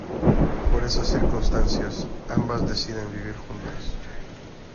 Por esas circunstancias, ambas deciden vivir juntas.